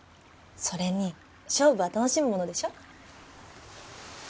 それに勝負は楽しむものでしょ。